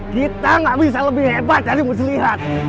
kita gak bisa lebih hebat dari muslihat